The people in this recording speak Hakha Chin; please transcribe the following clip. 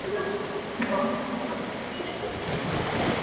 Tiva ah a ka kal khanh.